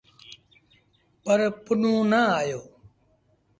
پر پنهون نا آيو۔